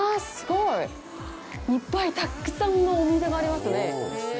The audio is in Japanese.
いっぱいたくさんのお店がありますね。